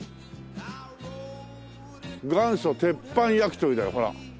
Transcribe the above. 「元祖鉄板焼鳥」だよほら。